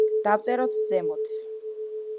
დავწეროთ ზემოთ.